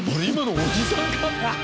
今のおじさんか？